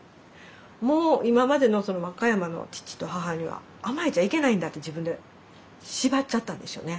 もう今までの和歌山の父と母には甘えちゃいけないんだって自分で縛っちゃったんでしょうね。